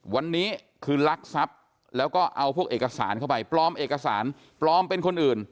วันนี้คือลักทรัพย์แล้วก็เอาพวกเอกสารเข้าไปปลอมเอกสารปลอมเป็นคนอื่น